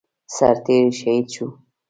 سرتيری شهید شو